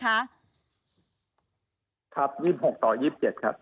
ครับ๒๖ต่อ๒๗ครับ